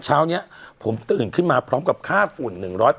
เช้านี้ผมตื่นขึ้นมาพร้อมกับค่าฝุ่น๑๐๐